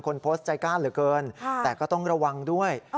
คนโพสต์ใจกล้าเหลือเกินแต่ก็ต้องระวังด้วย